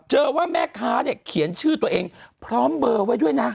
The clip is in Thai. ว่าแม่ค้าเนี่ยเขียนชื่อตัวเองพร้อมเบอร์ไว้ด้วยนะ